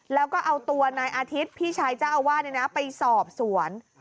แล้วก็เอาตัวนายอาทิตย์พี่ชายเจ้าอาวาสไปสอบสวน